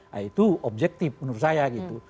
nah itu objektif menurut saya gitu